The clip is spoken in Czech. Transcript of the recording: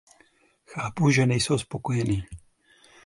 Chápu, že nejsou spokojeny.